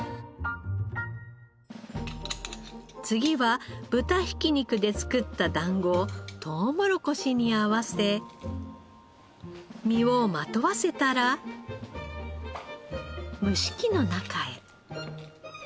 次は豚ひき肉で作った団子をとうもろこしに合わせ実をまとわせたら蒸し器の中へ。